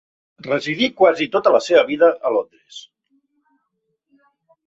Residí quasi tota la seva vida a Londres.